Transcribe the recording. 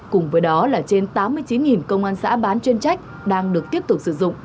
cùng với đó là trên tám mươi chín công an xã bán chuyên trách đang được tiếp tục sử dụng